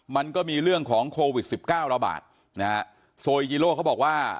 มันก็มีเรื่องของโควิด๑๙ล้อบาทโซอีจิโร่เขาบอกว่า